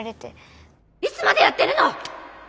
いつまでやってるの！